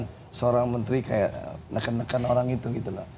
ada pernyataan seorang menteri kayak neken neken orang itu gitu lah